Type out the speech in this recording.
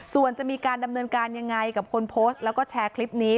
ส่วนจะมีการดำเนินการยังไงกับคนโพสต์แล้วก็แชร์คลิปนี้